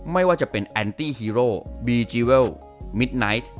ไม่ว่าจะเป็นแอนตี้ฮีโร่บีจีเวลมิดไนท์